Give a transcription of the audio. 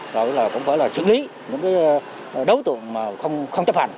rồi cũng phải là xử lý những cái đối tượng mà không chấp hành